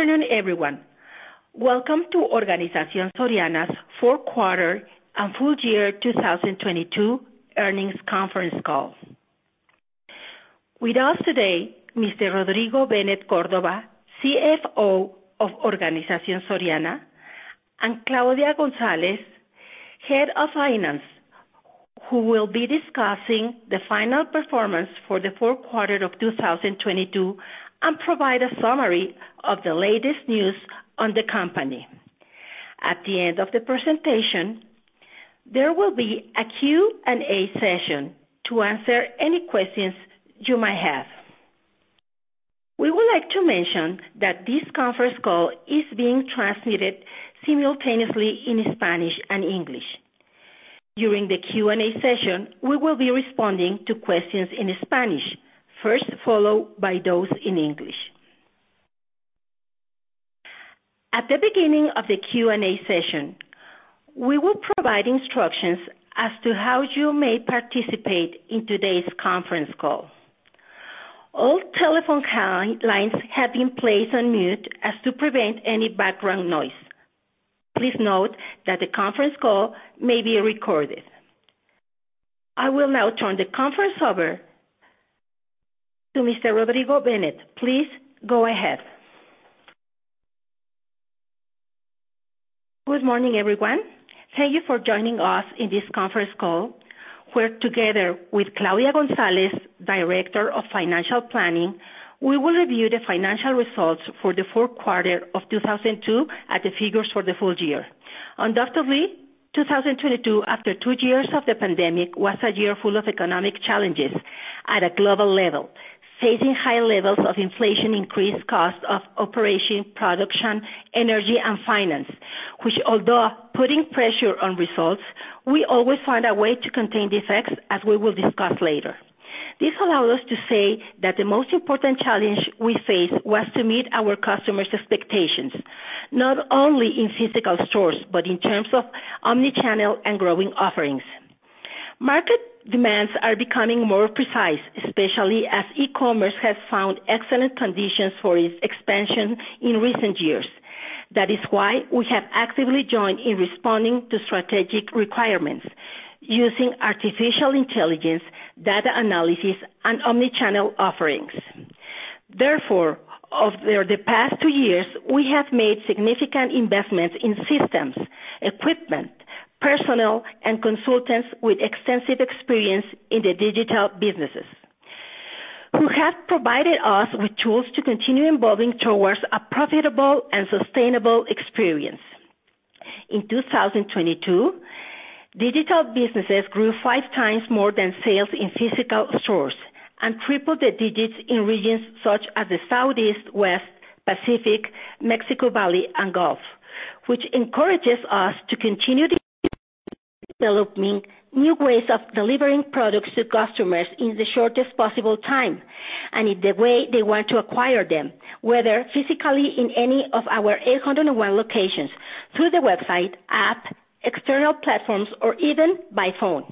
Good afternoon, everyone. Welcome to Organización Soriana's 4th quarter and full year 2022 earnings conference call. With us today, Mr. Rodrigo Benet Córdova, CFO of Organización Soriana, and Claudia González, Head of Finance, who will be discussing the final performance for the 4th quarter of 2022 and provide a summary of the latest news on the company. At the end of the presentation, there will be a Q&A session to answer any questions you might have. We would like to mention that this conference call is being transmitted simultaneously in Spanish and English. During the Q&A session, we will be responding to questions in Spanish first, followed by those in English. At the beginning of the Q&A session, we will provide instructions as to how you may participate in today's conference call. All telephone lines have been placed on mute as to prevent any background noise. Please note that the conference call may be recorded. I will now turn the conference over to Mr. Rodrigo Benet. Please go ahead. Good morning, everyone. Thank you for joining us in this conference call, where together with Claudia González, Director of Financial Planning, we will review the financial results for the fourth quarter of 2022 and the figures for the full year. Undoubtedly, 2022, after two years of the pandemic, was a year full of economic challenges at a global level, facing high levels of inflation, increased costs of operation, production, energy, and finance, which although putting pressure on results, we always find a way to contain the effects as we will discuss later. This allows us to say that the most important challenge we face was to meet our customers' expectations, not only in physical stores, but in terms of omni-channel and growing offerings. Market demands are becoming more precise, especially as e-commerce has found excellent conditions for its expansion in recent years. That is why we have actively joined in responding to strategic requirements using artificial intelligence, data analysis and omni-channel offerings. Therefore, over the past two years, we have made significant investments in systems, equipment, personnel, and consultants with extensive experience in the digital businesses, who have provided us with tools to continue evolving towards a profitable and sustainable experience. In 2022, digital businesses grew 5x more than sales in physical stores and 3x the digits in regions such as the Southeast, West, Pacific, Mexico Valley, and Gulf, which encourages us to continue developing new ways of delivering products to customers in the shortest possible time and in the way they want to acquire them, whether physically in any of our 801 locations through the website, app, external platforms, or even by phone.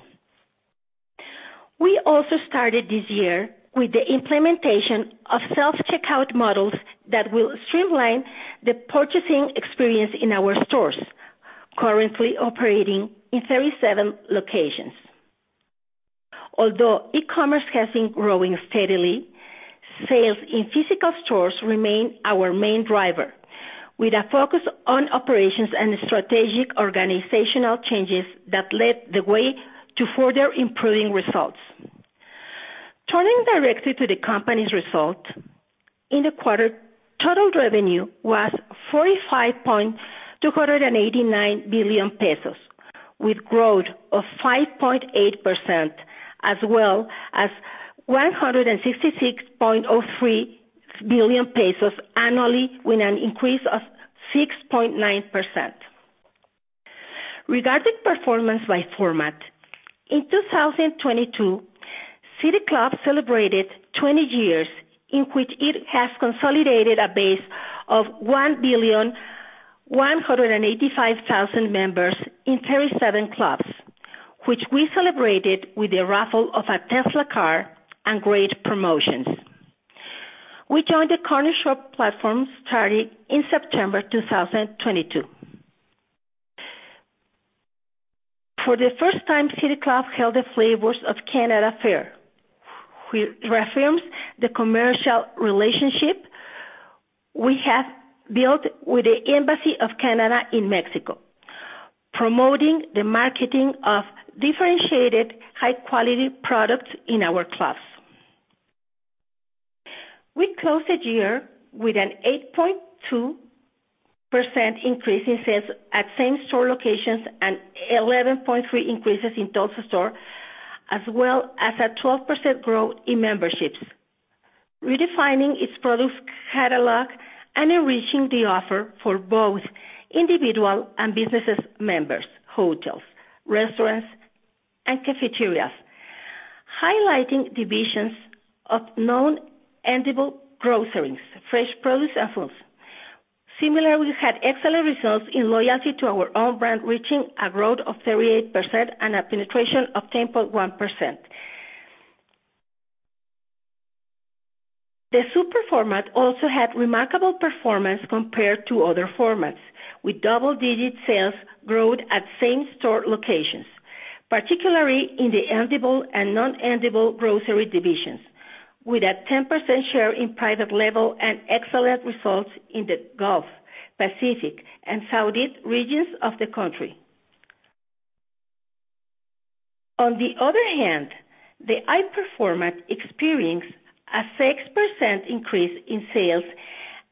We also started this year with the implementation of self-checkout models that will streamline the purchasing experience in our stores, currently operating in 37 locations. Although e-commerce has been growing steadily, sales in physical stores remain our main driver, with a focus on operations and strategic organizational changes that lead the way to further improving results. Turning directly to the company's result. In the quarter, total revenue was 45.289 billion pesos, with growth of 5.8%, as well as 166.03 billion pesos annually with an increase of 6.9%. Regarding performance by format, in 2022, City Club celebrated 20 years in which it has consolidated a base of 1,185,000 members in 37 clubs, which we celebrated with the raffle of a Tesla car and great promotions. We joined the Cornershop platform starting in September 2022. For the first time, City Club held the Flavors of Canada Fair, which reaffirms the commercial relationship we have built with the Embassy of Canada in Mexico, promoting the marketing of differentiated high quality products in our clubs. We closed the year with an 8.2% increase in sales at same store locations and 11.3% increases in total store, as well as a 12% growth in memberships, redefining its product catalog and enriching the offer for both individual and businesses members, hotels, restaurants, and cafeterias, highlighting divisions of known edible groceries, fresh produce, and foods. Similarly, we had excellent results in loyalty to our own brand, reaching a growth of 38% and a penetration of 10.1%. The Súper format also had remarkable performance compared to other formats, with double-digit sales growth at same-store locations, particularly in the edible and non-edible grocery divisions, with a 10% share in private label and excellent results in the Gulf, Pacific, and southeast regions of the country. On the other hand, the Hiper format experienced a 6% increase in sales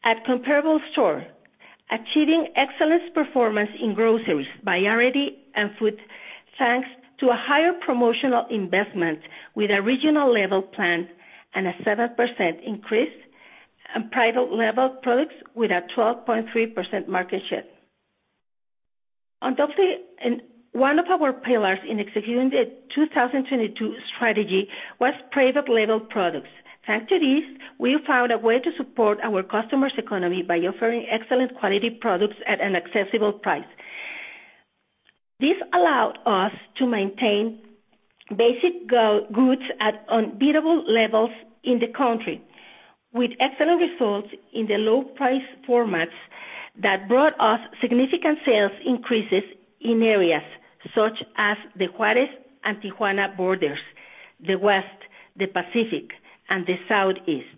at comparable store, achieving excellence performance in groceries, variety, and food, thanks to a higher promotional investment with a regional level plan and a 7% increase in private label products with a 12.3% market share. One of our pillars in executing the 2022 strategy was private label products. Thanks to this, we found a way to support our customers' economy by offering excellent quality products at an accessible price. This allowed us to maintain basic go-goods at unbeatable levels in the country with excellent results in the low price formats that brought us significant sales increases in areas such as the Juarez and Tijuana borders, the West, the Pacific, and the Southeast.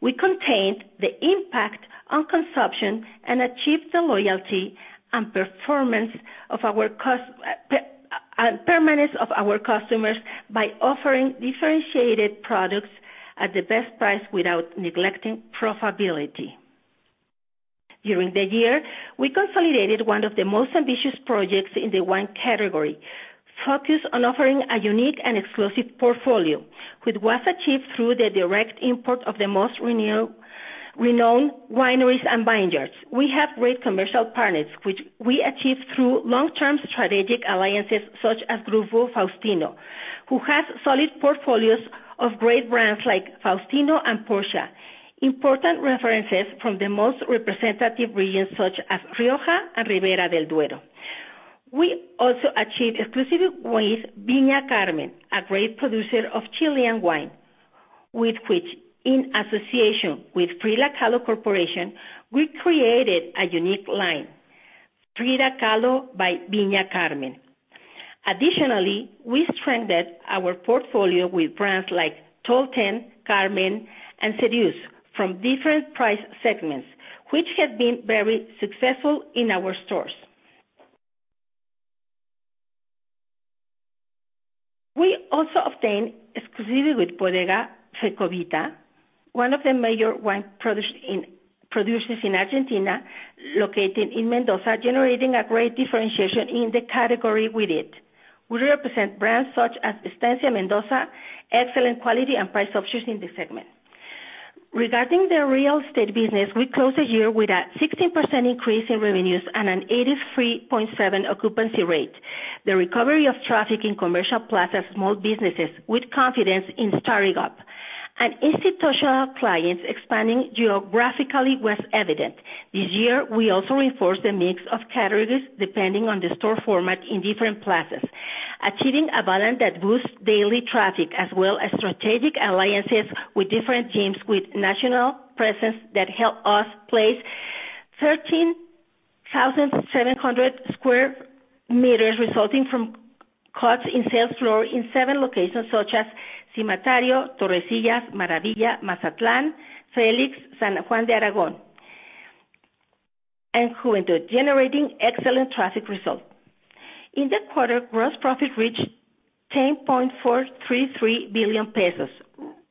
We contained the impact on consumption and achieved the loyalty and permanence of our customers by offering differentiated products at the best price without neglecting profitability. During the year, we consolidated one of the most ambitious projects in the wine category, focused on offering a unique and exclusive portfolio, which was achieved through the direct import of the most renowned wineries and vineyards. We have great commercial partners, which we achieved through long-term strategic alliances such as Grupo Faustino, who has solid portfolios of great brands like Faustino and Portia, important references from the most representative regions such as Rioja and Ribera del Duero. We also achieved exclusive with Viña Carmen, a great producer of Chilean wine, with which, in association with Frida Kahlo Corporation, we created a unique line, Frida Kahlo by Viña Carmen. Additionally, we strengthened our portfolio with brands like Toltén, Carmen, and Seduce from different price segments, which have been very successful in our stores. We also obtained exclusively with Bodega Zuccardi, one of the major wine producers in Argentina, located in Mendoza, generating a great differentiation in the category with it. We represent brands such as Estancia Mendoza, excellent quality and price options in this segment. Regarding the real estate business, we closed the year with a 16% increase in revenues and an 83.7% occupancy rate. The recovery of traffic in commercial plazas, small businesses with confidence in starting up and institutional clients expanding geographically was evident. This year, we also reinforced the mix of categories depending on the store format in different plazas, achieving a balance that boosts daily traffic, as well as strategic alliances with different teams with national presence that help us place 13,700 sq m resulting from cuts in sales floor in seven locations such as Cimatario, Torrecillas, Maravillas, Mazatlán, Félix, San Juan de Aragón, and Juendo, generating excellent traffic results. In the quarter, gross profit reached 10.433 billion pesos,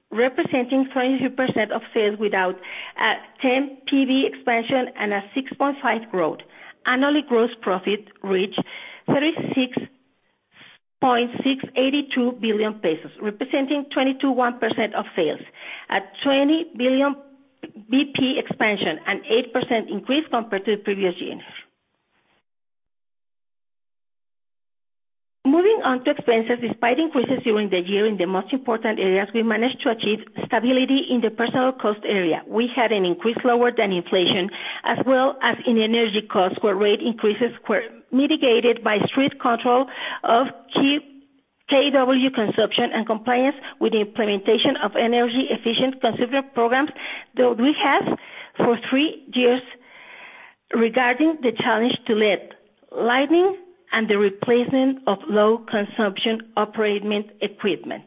representing 22% of sales without a 10 basis points expansion and a 6.5% growth. Annually, gross profit reached 36.682 billion pesos, representing 22.1% of sales at 20 basis points expansion and 8% increase compared to the previous year. Moving on to expenses, despite increases during the year in the most important areas, we managed to achieve stability in the personnel cost area. We had an increase lower than inflation, as well as in energy costs, where rate increases were mitigated by strict control of key kW consumption and compliance with the implementation of energy efficient consumer programs that we have for three years regarding the challenge to LED lighting and the replacement of low consumption operating equipment.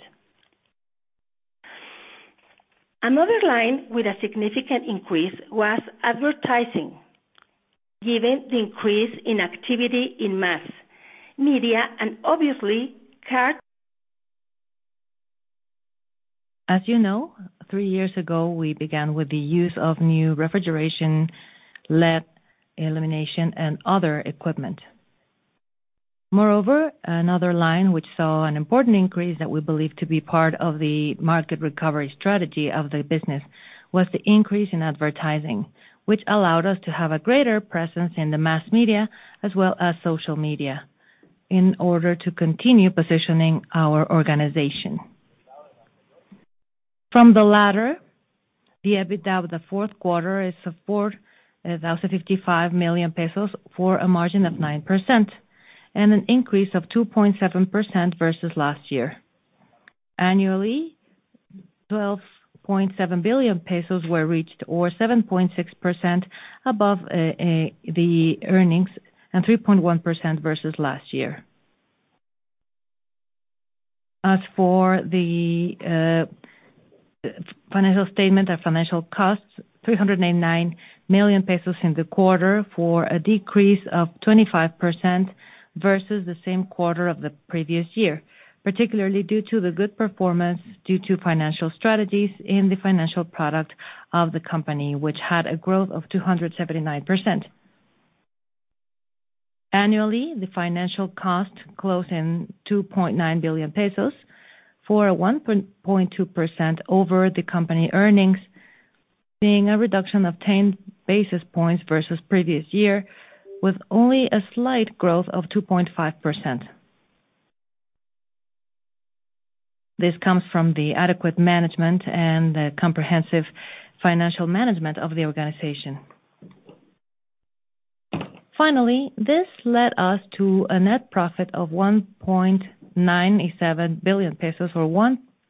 Another line with a significant increase was advertising, given the increase in activity in mass media and obviously As you know, three years ago, we began with the use of new refrigeration, LED lighting, and other equipment. Moreover, another line which saw an important increase that we believe to be part of the market recovery strategy of the business was the increase in advertising, which allowed us to have a greater presence in the mass media as well as social media in order to continue positioning our organization. From the latter. The EBITDA of the fourth quarter is support, 1,055 million pesos for a margin of 9% and an increase of 2.7% versus last year. Annually, 12.7 billion pesos were reached or 7.6% above the earnings and 3.1% versus last year. As for the financial statement or financial costs, 309 million pesos in the quarter for a decrease of 25% versus the same quarter of the previous year, particularly due to the good performance due to financial strategies in the financial product of the company, which had a growth of 279%. Annually, the financial cost closed in 2.9 billion pesos for 1.2% over the company earnings, being a reduction of 10 basis points versus previous year with only a slight growth of 2.5%. This comes from the adequate management and the comprehensive financial management of the organization. Finally, this led us to a net profit of 1.97 billion pesos or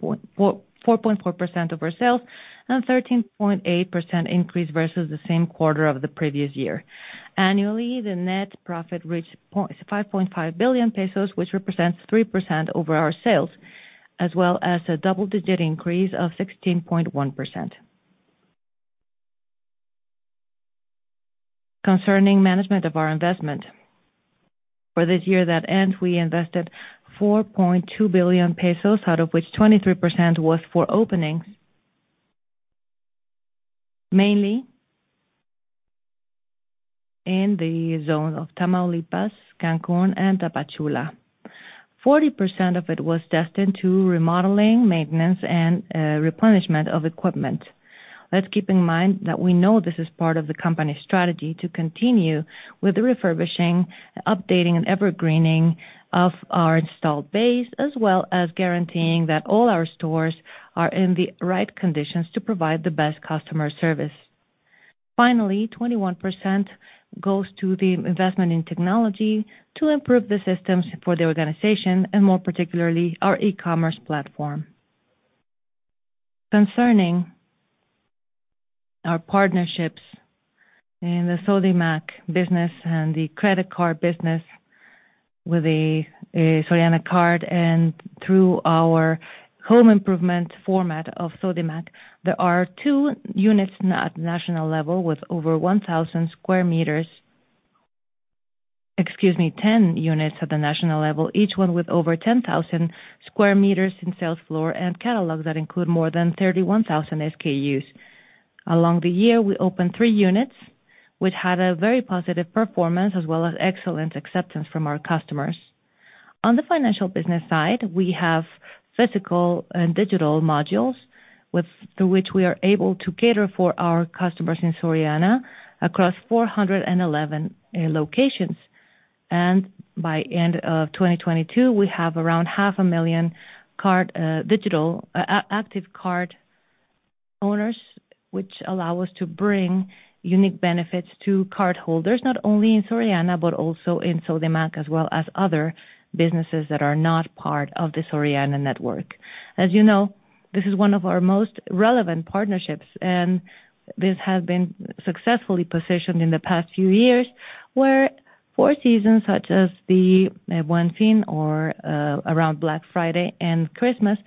4.4% of our sales and 13.8% increase versus the same quarter of the previous year. Annually, the net profit reached 5.5 billion pesos, which represents 3% over our sales, as well as a double-digit increase of 16.1%. Concerning management of our investment. For this year that ends, we invested 4.2 billion pesos, out of which 23% was for openings. Mainly in the zone of Tamaulipas, Cancun and Tapachula. 40% of it was destined to remodeling, maintenance and replenishment of equipment. Let's keep in mind that we know this is part of the company strategy to continue with the refurbishing, updating and evergreening of our installed base, as well as guaranteeing that all our stores are in the right conditions to provide the best customer service. Finally, 21% goes to the investment in technology to improve the systems for the organization and more particularly our e-commerce platform. Concerning our partnerships in the Sodimac business and the credit card business with the Soriana card and through our home improvement format of Sodimac, there are two units at national level with over 1,000 sq m. Excuse me, 10 units at the national level, each one with over 10,000 sq m in sales floor and catalogs that include more than 31,000 SKUs. Along the year, we opened three units which had a very positive performance as well as excellent acceptance from our customers. On the financial business side, we have physical and digital modules through which we are able to cater for our customers in Soriana across 411 locations. By end of 2022, we have around half a million card digital active card owners, which allow us to bring unique benefits to cardholders, not only in Soriana but also in Sodimac as well as other businesses that are not part of the Soriana network. As you know, this is one of our most relevant partnerships, and this has been successfully positioned in the past few years, where four seasons, such as the El Buen Fin or, around Black Friday and Christmas,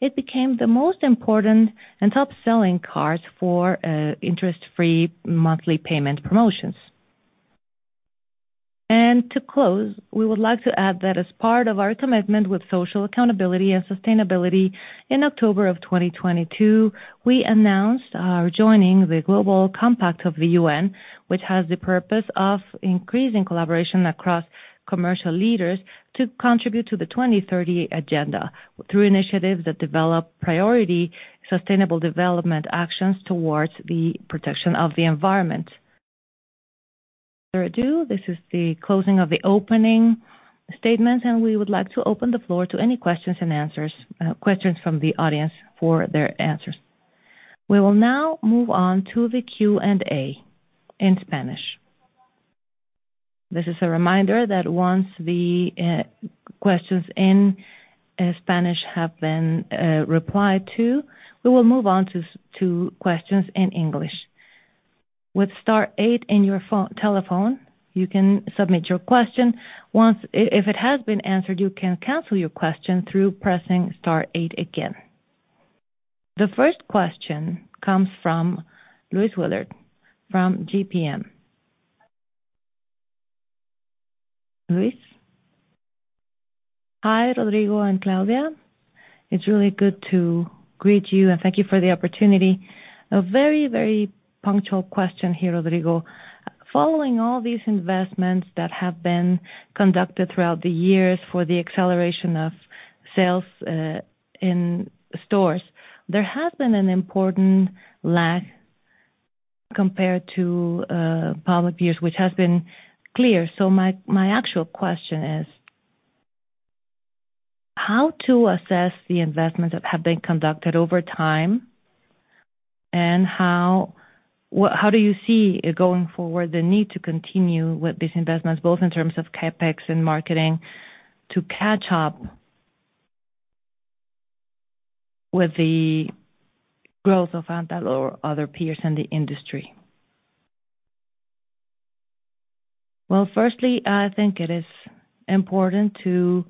it became the most important and top-selling cards for, interest-free monthly payment promotions. To close, we would like to add that as part of our commitment with social accountability and sustainability, in October of 2022, we announced our joining the Global Compact of the UN, which has the purpose of increasing collaboration across commercial leaders to contribute to the 2030 agenda through initiatives that develop priority sustainable development actions towards the protection of the environment. Further ado, this is the closing of the opening statement, and we would like to open the floor to any questions from the audience for their answers. We will now move on to the Q&A in Spanish. This is a reminder that once the questions in Spanish have been replied to, we will move on to questions in English. With star eight in your telephone, you can submit your question. Once it has been answered, you can cancel your question through pressing star eight again. The first question comes from Luis Willard from GBM. Luis? Hi, Rodrigo and Claudia. It's really good to greet you and thank you for the opportunity. A very punctual question here, Rodrigo. Following all these investments that have been conducted throughout the years for the acceleration of sales in stores, there has been an important lag compared to Walmex, which has been clear. My, my actual question is how to assess the investments that have been conducted over time, and how, what, how do you see it going forward, the need to continue with these investments, both in terms of CapEx and marketing to catch up with the growth of Antad or other peers in the industry? Well, firstly, I think it is important to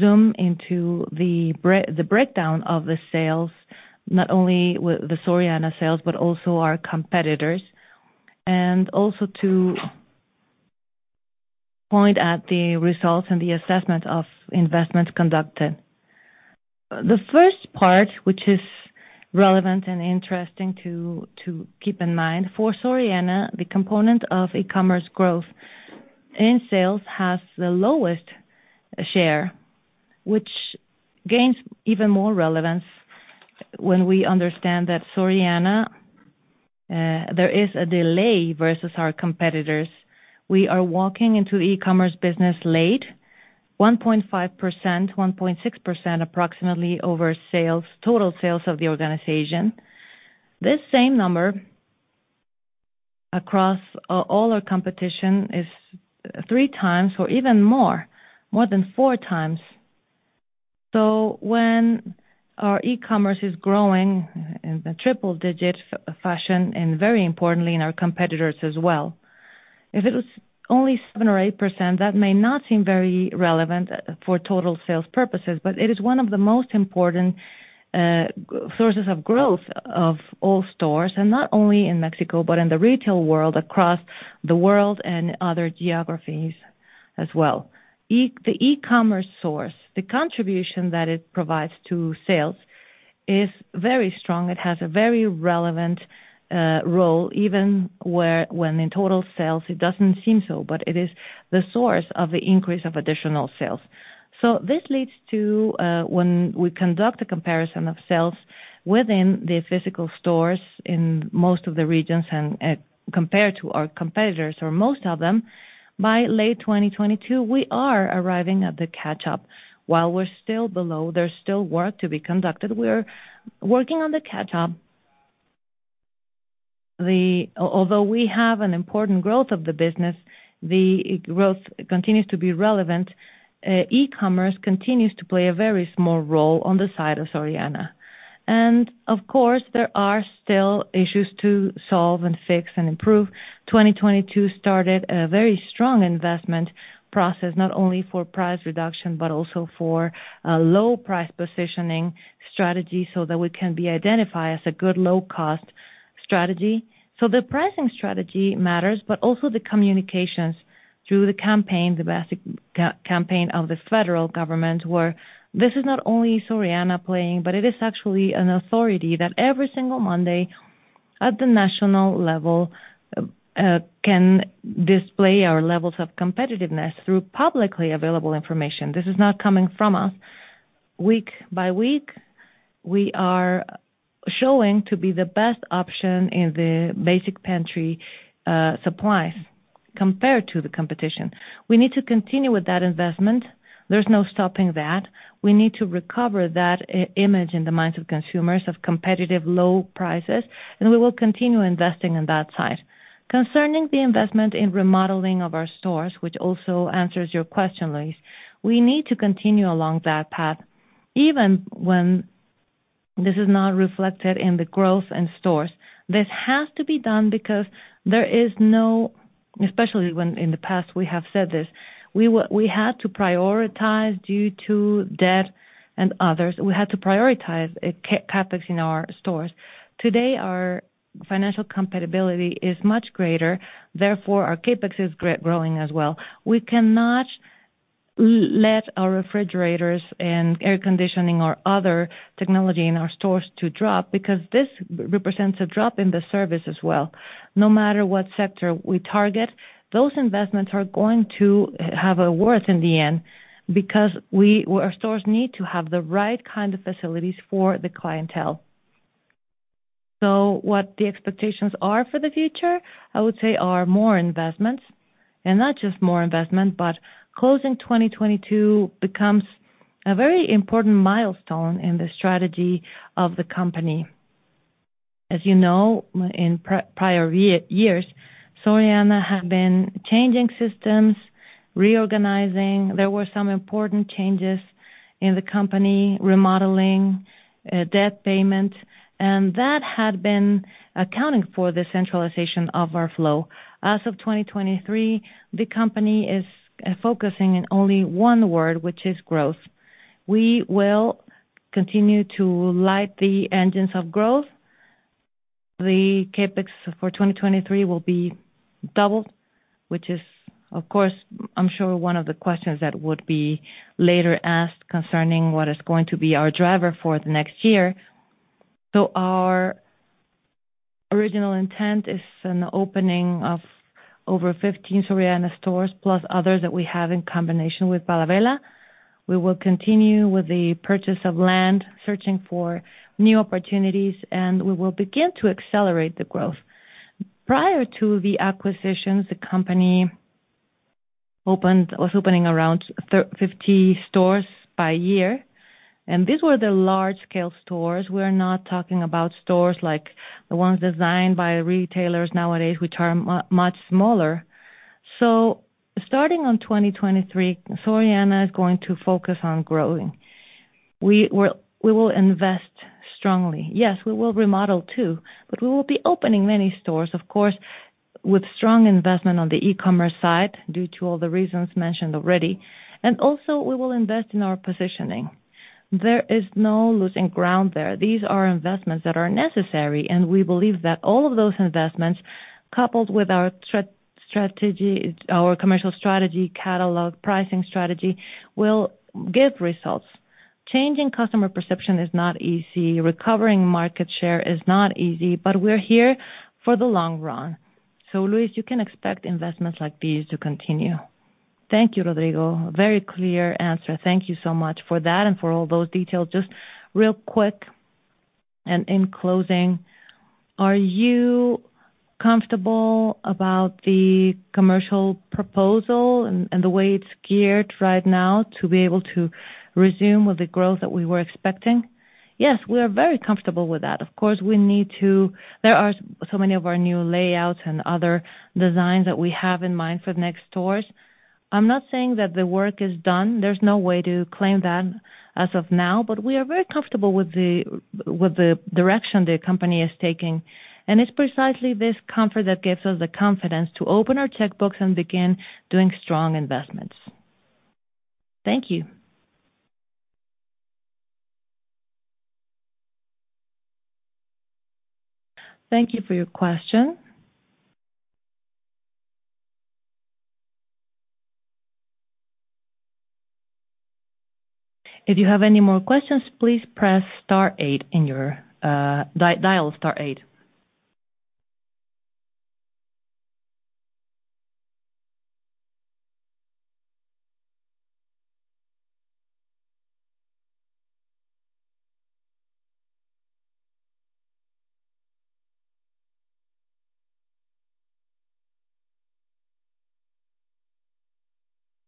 zoom into the breakdown of the sales, not only with the Soriana sales, but also our competitors, and also to point at the results and the assessment of investments conducted. The first part, which is relevant and interesting to keep in mind, for Soriana, the component of e-commerce growth in sales has the lowest share, which gains even more relevance when we understand that Soriana, there is a delay versus our competitors. We are walking into the e-commerce business late. 1.5%, 1.6%, approximately over sales, total sales of the organization. This same number across all our competition is 3x or even more than 4x. When our e-commerce is growing in a triple digit fashion, and very importantly in our competitors as well, if it was only 7% or 8%, that may not seem very relevant for total sales purposes, but it is one of the most important sources of growth of all stores, and not only in Mexico, but in the retail world across the world and other geographies as well. The e-commerce source, the contribution that it provides to sales is very strong. It has a very relevant role, even where, when in total sales it doesn't seem so, but it is the source of the increase of additional sales. This leads to, when we conduct a comparison of sales within the physical stores in most of the regions and, compared to our competitors or most of them, by late 2022, we are arriving at the catch up. While we're still below, there's still work to be conducted. We're working on the catch up. Although we have an important growth of the business, the e-commerce growth continues to be relevant. E-commerce continues to play a very small role on the side of Soriana. Of course, there are still issues to solve and fix and improve. 2022 started a very strong investment process, not only for price reduction, but also for a low price positioning strategy so that we can be identified as a good low cost strategy. The pricing strategy matters, but also the communications through the campaign, the basic campaign of this federal government, where this is not only Soriana playing, but it is actually an authority that every single Monday at the national level can display our levels of competitiveness through publicly available information. This is not coming from us. Week by week, we are showing to be the best option in the basic pantry supplies compared to the competition. We need to continue with that investment. There's no stopping that. We need to recover that image in the minds of consumers of competitive low prices, and we will continue investing in that side. Concerning the investment in remodeling of our stores, which also answers your question, Luis, we need to continue along that path even when this is not reflected in the growth in stores. This has to be done because there is no. Especially when in the past we have said this, we had to prioritize due to debt and others. We had to prioritize CapEx in our stores. Today, our financial compatibility is much greater, therefore, our CapEx is growing as well. We cannot let our refrigerators and air conditioning or other technology in our stores to drop because this represents a drop in the service as well. No matter what sector we target, those investments are going to have a worth in the end because our stores need to have the right kind of facilities for the clientele. What the expectations are for the future, I would say are more investments, and not just more investment, but closing 2022 becomes a very important milestone in the strategy of the company. You know, in prior years, Soriana had been changing systems, reorganizing. There were some important changes in the company, remodeling, debt payment, and that had been accounting for the centralization of our flow. As of 2023, the company is focusing in only one word, which is growth. We will continue to light the engines of growth. The CapEx for 2023 will be double, which is, of course, I'm sure one of the questions that would be later asked concerning what is going to be our driver for the next year. Our original intent is an opening of over 15 Soriana stores, plus others that we have in combination with Falabella. We will continue with the purchase of land, searching for new opportunities, and we will begin to accelerate the growth. Prior to the acquisitions, the company was opening around 50 stores by year, and these were the large scale stores. We're not talking about stores like the ones designed by retailers nowadays, which are much smaller. Starting on 2023, Soriana is going to focus on growing. We will invest strongly. Yes, we will remodel too, but we will be opening many stores, of course, with strong investment on the e-commerce side, due to all the reasons mentioned already. Also we will invest in our positioning. There is no losing ground there. These are investments that are necessary, and we believe that all of those investments, coupled with our strategy, our commercial strategy, catalog pricing strategy, will give results. Changing customer perception is not easy. Recovering market share is not easy, but we're here for the long run. Luis, you can expect investments like these to continue. Thank you, Rodrigo. Very clear answer. Thank you so much for that and for all those details. Just real quick and in closing, are you comfortable about the commercial proposal and the way it's geared right now to be able to resume with the growth that we were expecting? Yes, we are very comfortable with that. There are so many of our new layouts and other designs that we have in mind for the next stores. I'm not saying that the work is done. There's no way to claim that as of now. We are very comfortable with the direction the company is taking. It's precisely this comfort that gives us the confidence to open our checkbooks and begin doing strong investments. Thank you. Thank you for your question. If you have any more questions, please press star 8 in your dial star 8.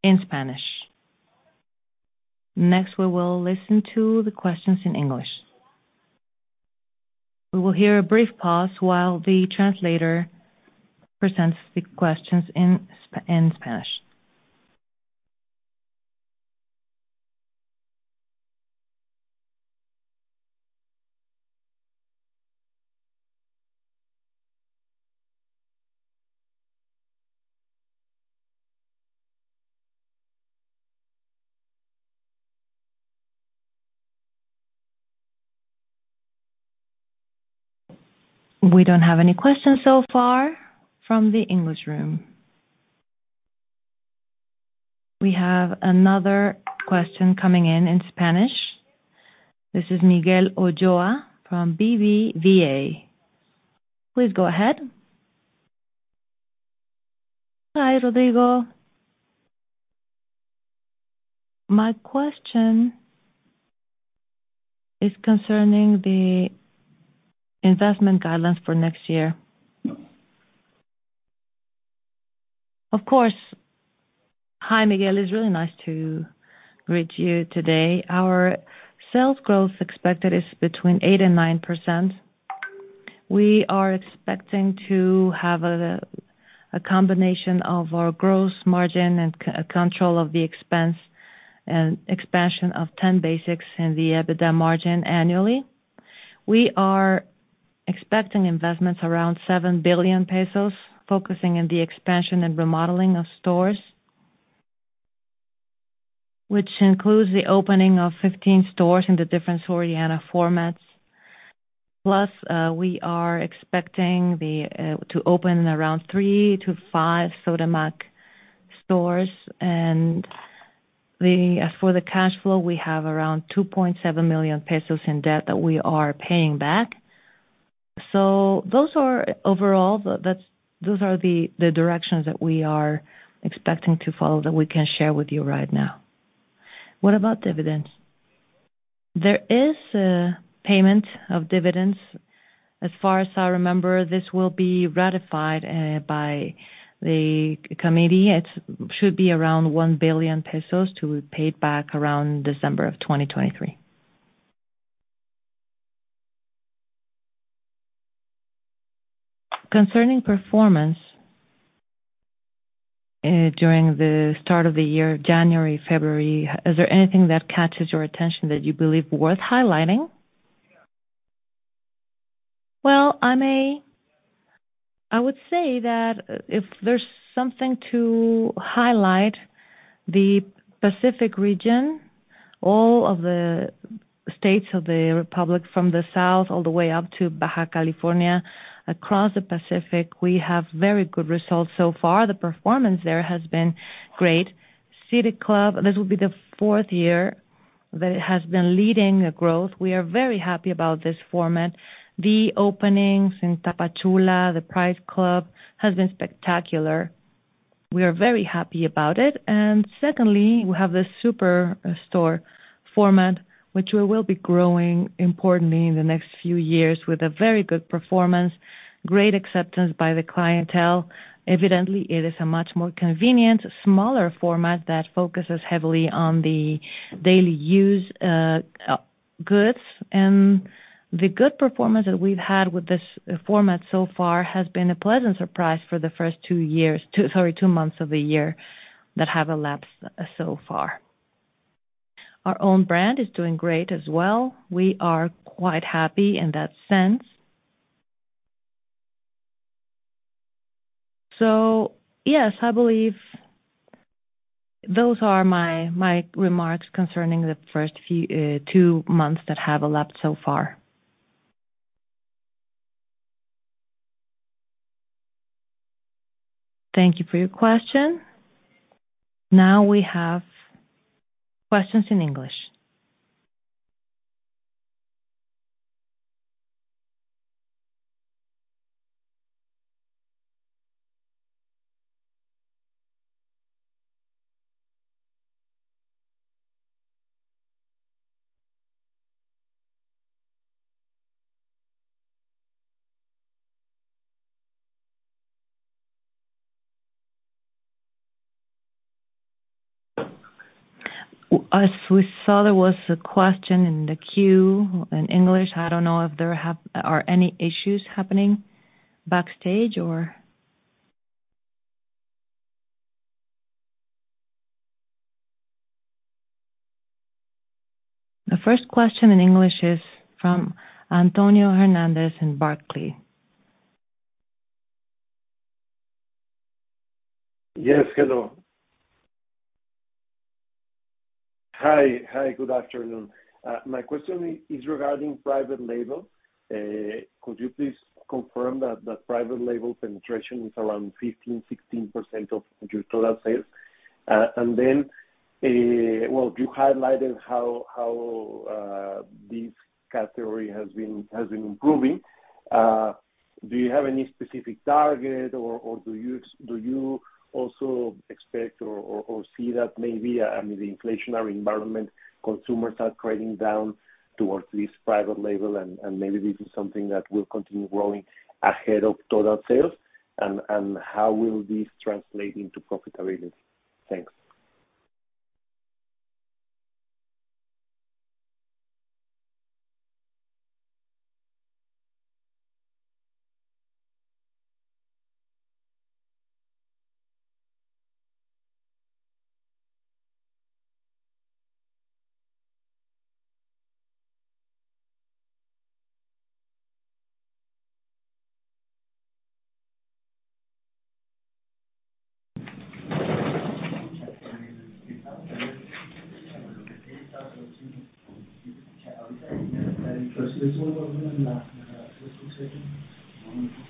In Spanish. Next, we will listen to the questions in English. We will hear a brief pause while the translator presents the questions in Spanish. We don't have any questions so far from the English room. We have another question coming in in Spanish. This is Miguel Ulloa from BBVA. Please go ahead. Hi, Rodrigo. My question is concerning the investment guidelines for next year. Of course. Hi, Miguel. It's really nice to greet you today. Our sales growth expected is between 8% and 9%. We are expecting to have a combination of our gross margin and control of the expense and expansion of 10 basis points in the EBITDA margin annually. We are expecting investments around 7 billion pesos, focusing in the expansion and remodeling of stores, which includes the opening of 15 stores in the different Soriana formats. Plus, we are expecting to open around three to five Sodimac stores. As for the cash flow, we have around 2.7 million pesos in debt that we are paying back. Those are overall the directions that we are expecting to follow that we can share with you right now. What about dividends? There is a payment of dividends. As far as I remember, this will be ratified by the committee. It should be around 1 billion pesos to be paid back around December of 2023. Concerning performance during the start of the year, January, February, is there anything that catches your attention that you believe worth highlighting? Well, I would say that if there's something to highlight, the Pacific region, all of the states of the republic, from the South all the way up to Baja California, across the Pacific, we have very good results so far. The performance there has been great. City Club, this will be the fourth year that it has been leading the growth. We are very happy about this format. The openings in Tapachula, the Price Club, has been spectacular. We are very happy about it. Secondly, we have the Superstore format, which we will be growing importantly in the next few years with a very good performance, great acceptance by the clientele. Evidently, it is a much more convenient, smaller format that focuses heavily on the daily use goods. The good performance that we've had with this format so far has been a pleasant surprise for the first two months of the year that have elapsed so far. Our own brand is doing great as well. We are quite happy in that sense. Yes, I believe those are my remarks concerning the first few two months that have elapsed so far. Thank you for your question. Now we have questions in English. As we saw, there was a question in the queue in English. I don't know if there are any issues happening backstage or... The first question in English is from Antonio Hernández in Barclays. Yes. Hello. Hi. Hi. Good afternoon. My question is regarding private label. Could you please confirm that the private label penetration is around 15%, 16% of your total sales? Well, you highlighted how this category has been improving. Do you have any specific target or do you also expect or see that maybe, I mean, the inflationary environment, consumers are trading down towards this private label and maybe this is something that will continue growing ahead of total sales? How will this translate into profitability? Thanks. The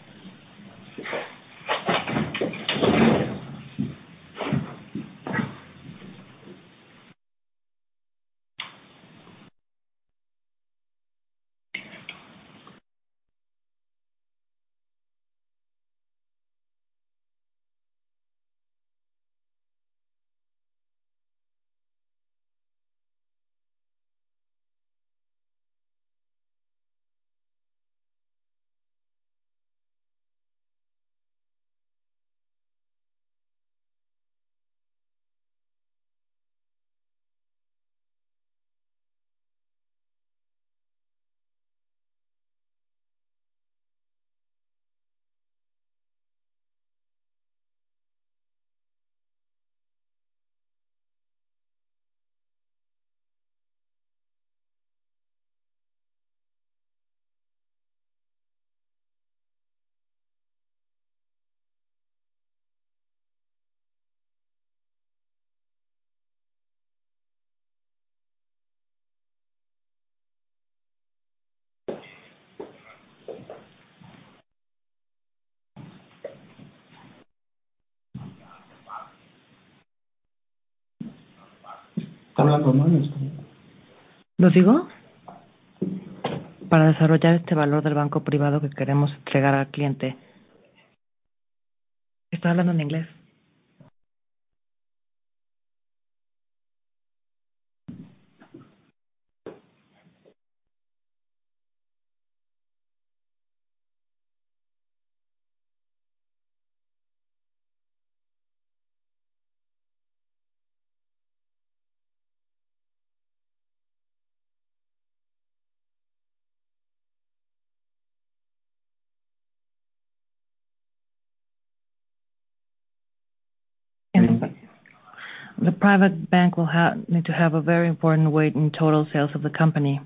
private brand will need to have a very important weight in total sales of the company.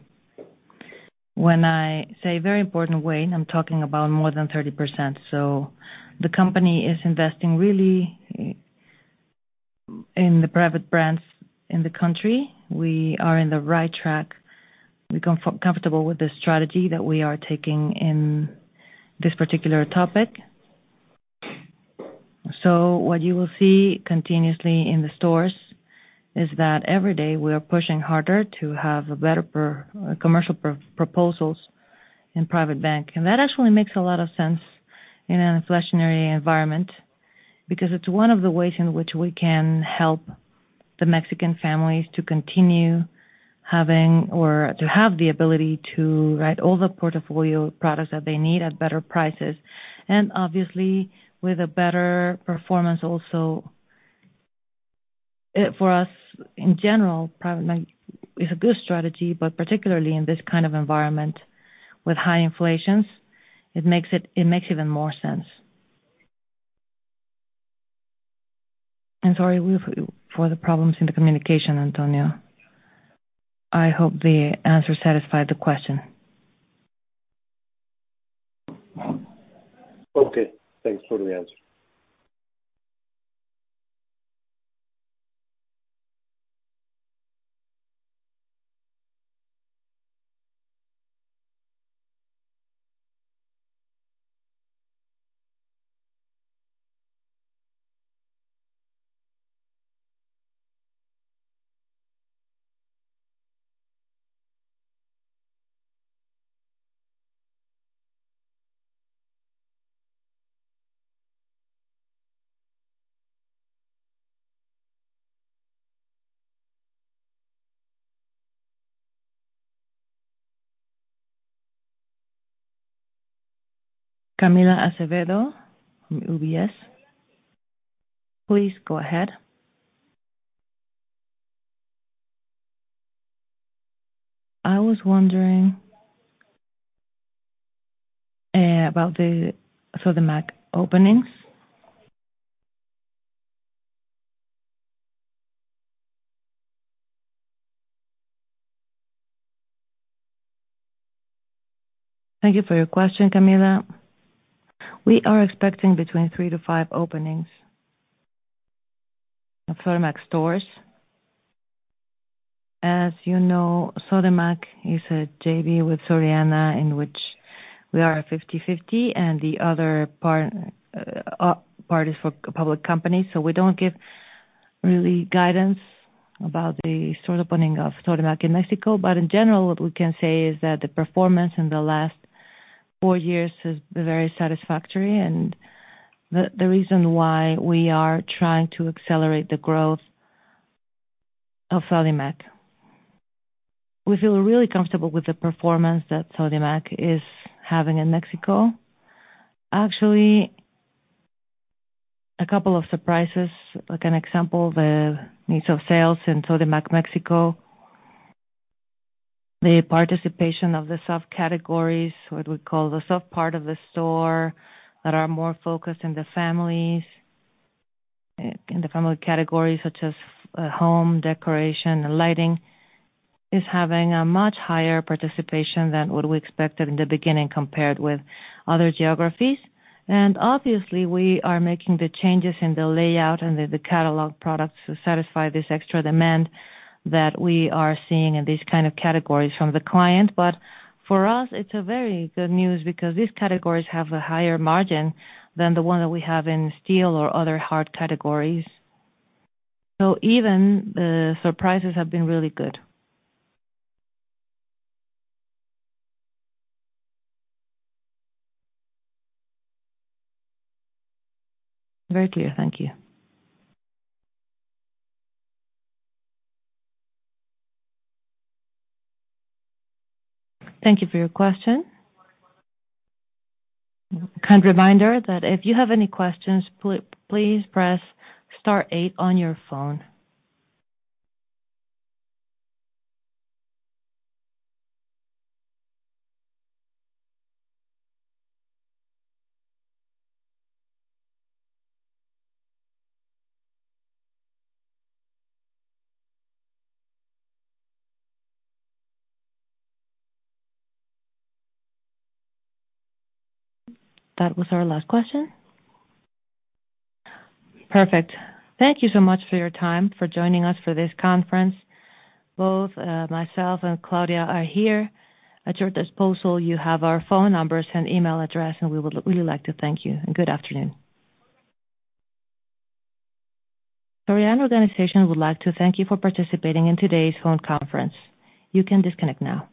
When I say very important weight, I'm talking about more than 30%. The company is investing really in the private brands in the country. We are in the right track. We comfortable with the strategy that we are taking in this particular topic. What you will see continuously in the stores is that every day we are pushing harder to have a better commercial proposals in private brand. That actually makes a lot of sense in an inflationary environment. Because it's one of the ways in which we can help the Mexican families to continue having or to have the ability to write all the portfolio products that they need at better prices and obviously with a better performance also. For us, in general, private label is a good strategy, but particularly in this kind of environment with high inflations, it makes even more sense. I'm sorry for the problems in the communication, Antonio. I hope the answer satisfied the question. Okay. Thanks for the answer. Camila Azevedo from UBS, please go ahead. I was wondering, about the Sodimac openings. Thank you for your question, Camila. We are expecting between three to five openings of Sodimac stores. As you know, Sodimac is a JV with Soriana, in which we are 50/50, and the other part is for public company, we don't give really guidance about the store opening of Sodimac in Mexico. In general, what we can say is that the performance in the last four years has been very satisfactory and the reason why we are trying to accelerate the growth of Sodimac. We feel really comfortable with the performance that Sodimac is having in Mexico. Actually, a couple of surprises. Like an example, the mix of sales in Sodimac, Mexico. The participation of the soft categories, what we call the soft part of the store that are more focused in the families. In the family categories such as home decoration and lighting, is having a much higher participation than what we expected in the beginning compared with other geographies. Obviously, we are making the changes in the layout and the catalog products to satisfy this extra demand that we are seeing in these kind of categories from the client. For us, it's a very good news because these categories have a higher margin than the one that we have in steel or other hard categories. Even the surprises have been really good. Very clear. Thank you. Thank you for your question. Kind reminder that if you have any questions, please press star eight on your phone. That was our last question? Perfect. Thank you so much for your time, for joining us for this conference. Both, myself and Claudia are here at your disposal. You have our phone numbers and email address. We would really like to thank you. Good afternoon. Organización Soriana would like to thank you for participating in today's phone conference. You can disconnect now.